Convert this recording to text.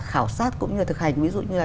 khảo sát cũng như thực hành ví dụ như là